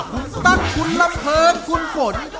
คุณตั๊กคุณลำเพิงคุณฝน